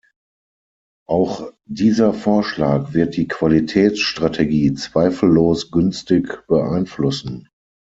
Auch dieser Vorschlag wird die Qualitätsstrategie zweifellos günstig beeinflussen.